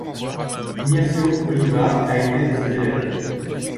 Ignazio Oliva a été de ses élèves.